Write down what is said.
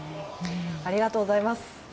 ありがとうございます。